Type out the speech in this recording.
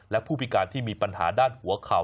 และผู้พิการที่มีปัญหาด้านหัวเข่า